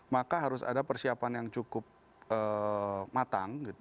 maka harus ada persiapan yang cukup matang